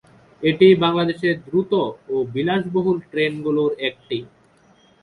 এটি বাংলাদেশের দ্রুত ও বিলাসবহুল ট্রেন গুলোর একটি।